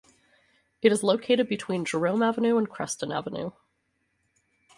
It is located in between Jerome Avenue and Creston Avenue.